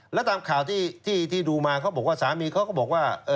แล้วตามข่าวที่ดูมาเขาบอกว่าสามีเขาก็บอกว่า